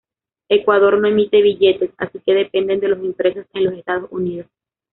Ecuador no emite billetes, así que depende de los impresos en los Estados Unidos.